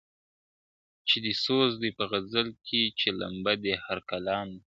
چي دي سوز دی په غزل کي چي لمبه دي هر کلام دی !.